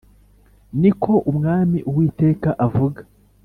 Ni ko umwami uwiteka avuga